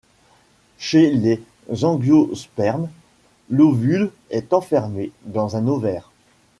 Chez les Angiospermes, l'ovule est enfermé dans un ovaire.